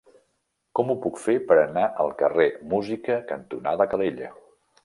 Com ho puc fer per anar al carrer Música cantonada Calella?